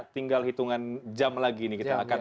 tinggal hitungan jam lagi nih kita akan